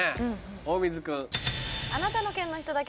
大水君。